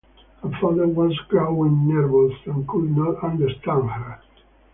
Her father was growing nervous, and could not understand her.